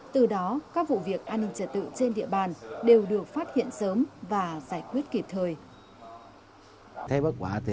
từ đó các vụ việc an ninh trật tự trên địa bàn đều được phát hiện sớm và giải quyết kịp thời